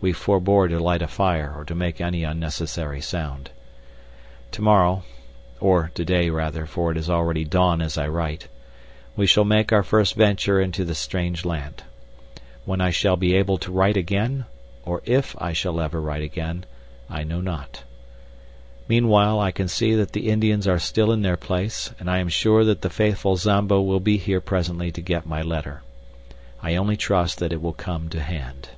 We forbore to light a fire or to make any unnecessary sound. To morrow (or to day, rather, for it is already dawn as I write) we shall make our first venture into this strange land. When I shall be able to write again or if I ever shall write again I know not. Meanwhile, I can see that the Indians are still in their place, and I am sure that the faithful Zambo will be here presently to get my letter. I only trust that it will come to hand.